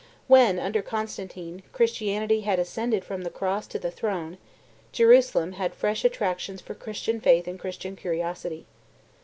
When, under Constantine, Christianity had ascended from the cross to the throne, Jerusalem had fresh attractions for Christian faith and Christian curiosity.